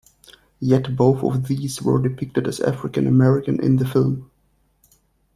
Yet both of these were depicted as African American in the film.